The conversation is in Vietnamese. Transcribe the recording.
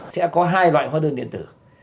sẽ có hai loại hóa đơn điện tử